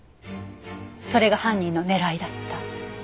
それが犯人の狙いだった。